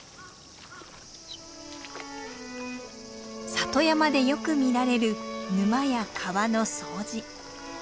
里山でよく見られる沼や川の掃除。